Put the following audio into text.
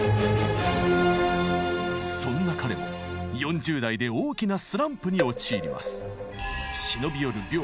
そんな彼も４０代で大きなスランプに陥ります。